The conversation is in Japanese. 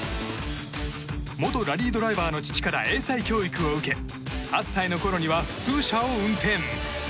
元ラリードライバーの父から英才教育を受け８歳のころには普通車を運転。